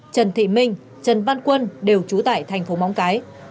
trần thị minh trần văn quân đều trú tại thành phố móng cái